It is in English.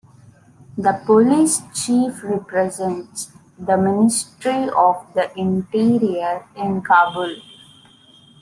The Police Chief represents the Ministry of the Interior in Kabull.